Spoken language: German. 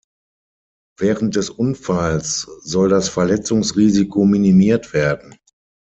Während des Unfalls soll das Verletzungsrisiko minimiert werden.